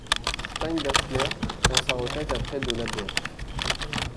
Steindachner prend sa retraite après de labeur.